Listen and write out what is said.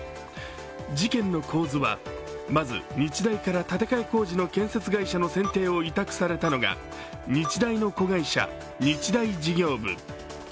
事件の構図は、まず日大から建て替え工事の業者の選定を任されたのが日大の子会社、日大事業部。